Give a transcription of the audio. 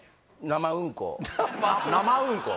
生うんこ？